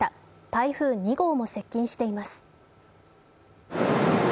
台風２号も接近しています。